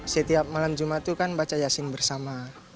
setiap malam jumat itu kan baca yasin bersama